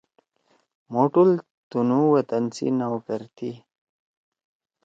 مھو ٹول تُنُو وطن سی نوکر تھی۔